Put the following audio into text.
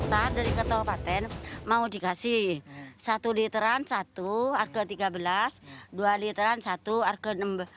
tadi dari ketua paten mau dikasih satu literan satu argo tiga belas dua literan satu argo dua puluh enam